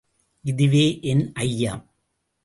இதுவே என் ஐயம்.